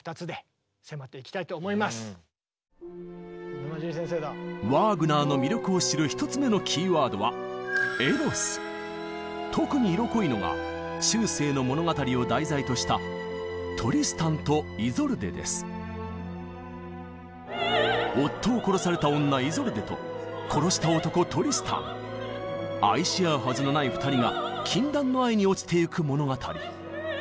これはワーグナーの魅力を知る１つ目のキーワードは特に色濃いのが中世の物語を題材とした「夫を殺された女イゾルデ」と「殺した男トリスタン」愛し合うはずのない２人が禁断の愛におちてゆく物語。